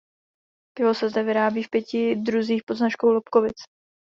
Pivo se zde vyrábí v pěti druzích pod značkou Lobkowicz.